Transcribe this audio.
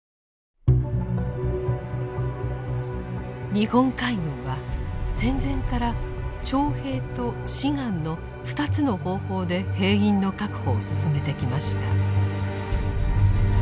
日本海軍は戦前から「徴兵」と「志願」の２つの方法で兵員の確保を進めてきました。